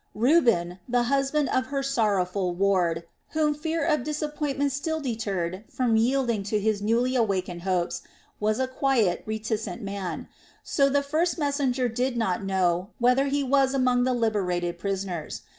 Reuben, the husband of her sorrowful ward whom fear of disappointment still deterred from yielding to his newly awakened hopes, was a quiet, reticent man, so the first messenger did not know whether he was among the liberated prisoners.